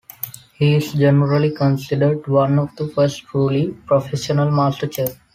He is generally considered one of the first truly "professional" master chefs.